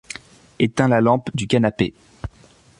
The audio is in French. Éteins la lampe du canapé.